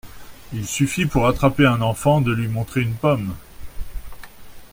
Il suffit, pour attraper un enfant, de lui montrer une pomme.